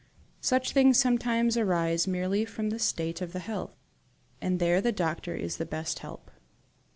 "Such things sometimes arise merely from the state of the health, and there the doctor is the best help."